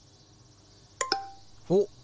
おっ！